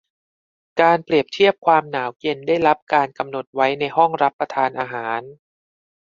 การเปรียบเทียบความหนาวเย็นได้รับการกำหนดไว้ในห้องรับประทานอาหาร